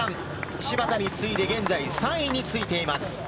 芝田に次いで、現在３位についています。